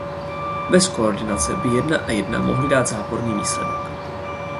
Bez koordinace by jedna a jedna mohly dát záporný výsledek.